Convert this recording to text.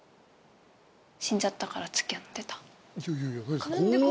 死んじゃったから付き合ってたか。